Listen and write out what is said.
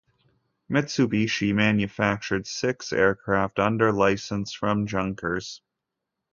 Mitsubishi manufactured six aircraft under license from Junkers.